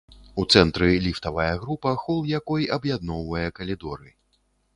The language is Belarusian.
У цэнтры ліфтавая група, хол якой аб'ядноўвае калідоры.